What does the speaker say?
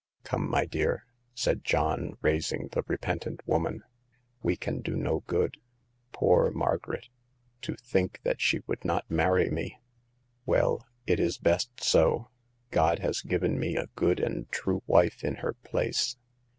Come, my dear," said John, raising the re pentant woman ;we can do no good. Poor Margaret ! to think that she would not marry me ! Well, it is best so ; God has given me a good and true wife in her place."